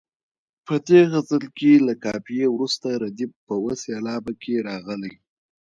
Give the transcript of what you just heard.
په دې غزل کې له قافیې وروسته ردیف په اوه سېلابه کې راغلی.